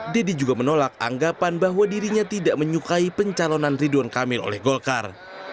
deddy juga menolak anggapan bahwa dirinya tidak menyukai pencalonan ridwan kamil oleh golkar